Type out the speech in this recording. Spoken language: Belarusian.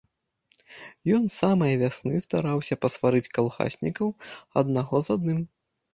Ён з самае вясны стараўся пасварыць калгаснікаў аднаго з адным.